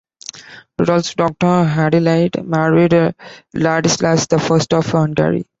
Rudolph's daughter Adelaide married Ladislaus the First of Hungary.